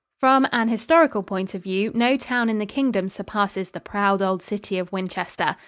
From an historical point of view, no town in the Kingdom surpasses the proud old city of Winchester.